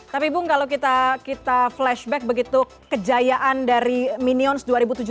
tapi bu kalau kita flashback begitu kejayaan dari minions dua ribu tujuh belas dua ribu delapan belas dua ribu sembilan belas